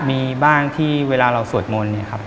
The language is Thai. มีบ้างที่เวลาเราสวดมนต์